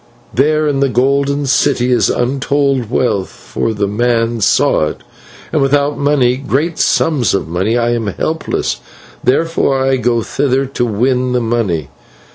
There in the Golden City is untold wealth, for the man saw it, and without money, great sums of money, I am helpless, therefore I go thither to win the money.